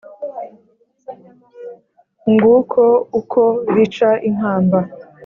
nguko ukwo rica inkamba,